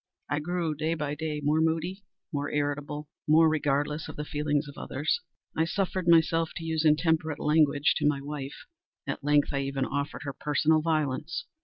I grew, day by day, more moody, more irritable, more regardless of the feelings of others. I suffered myself to use intemperate language to my wife. At length, I even offered her personal violence.